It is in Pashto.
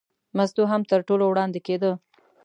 مستو هم تر ټولو وړاندې کېده.